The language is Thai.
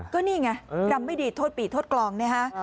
ก็นี่ไงรำไม่ดีโทษปีโทษกลองนะฮะ